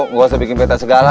gak usah bikin kertas segala